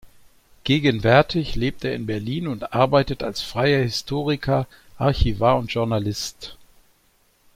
Gegenwärtig lebt er in Berlin und arbeitet als freier Historiker, Archivar und Journalist.